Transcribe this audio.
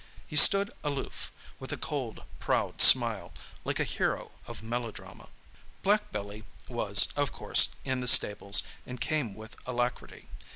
He stood aloof, with a cold, proud smile, like a hero of melodrama. Black Billy was, of course, in the stables, and came with alacrity.